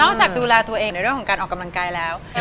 จากดูแลตัวเองในเรื่องของการออกกำลังกายแล้ว